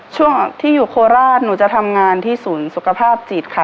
ช่วงที่อยู่โคราชหนูจะทำงานที่ศูนย์สุขภาพจิตค่ะ